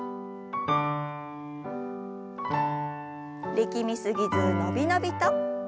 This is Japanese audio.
力み過ぎず伸び伸びと。